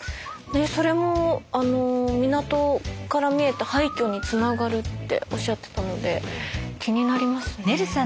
それも港から見えた廃虚につながるっておっしゃってたので気になりますね。